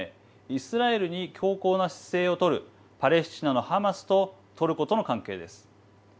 イスラエルに強硬な姿勢を取るパレスチナのハマスとトルコとの関係です。